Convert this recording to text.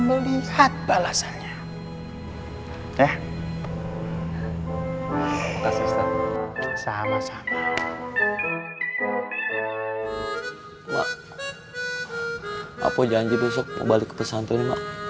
melihat balasannya ya makasih sama sama mak apa janji besok mau balik pesantren